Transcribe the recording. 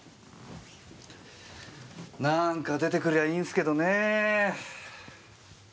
何か出てくりゃいいんすけどね。